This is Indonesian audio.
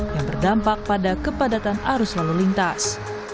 yang berdampak pada kepadatan arus lalu lintas